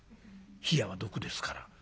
冷やは毒ですから。